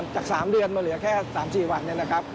จาก๓เดือนมาเหลือแค่๓๔วัน